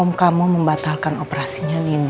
om kamu membatalkan operasinya nino